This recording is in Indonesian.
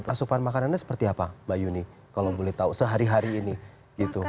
asupan makanannya seperti apa mbak yuni kalau boleh tahu sehari hari ini gitu